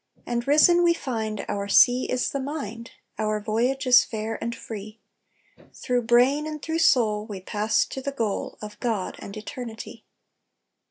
And risen we find our sea is the mind, Our voyage is fair and free; Through brain and through soul, we pass to the goal Of God and Eternity.